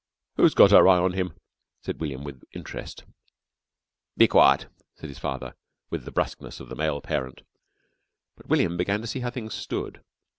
"Who's got her eye on him?" said William with interest. "Be quiet!" said his father with the brusqueness of the male parent. But William began to see how things stood.